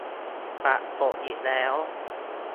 ปัดตกอีกแล้ว !